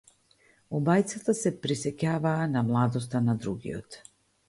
Обајцата се присеќаваа на младоста на другиот.